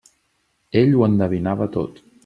Ell ho endevinava tot.